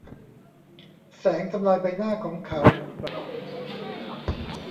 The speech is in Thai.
แสงทำลายใบหน้าของเขา